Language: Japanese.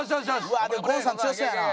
うわでもゴンさん強そうやな。